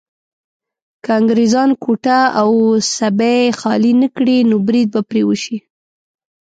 که انګريزان کوټه او سبۍ خالي نه کړي نو بريد به پرې وشي.